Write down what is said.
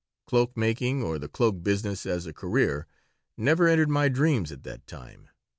Cloak making or the cloak business as a career never entered my dreams at that time.